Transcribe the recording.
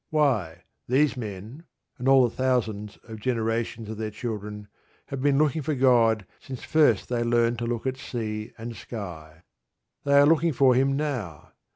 Why, these men, and all the thousands of generations of their children, have been looking for God since first they learned to look at sea and sky. They are looking for Him now.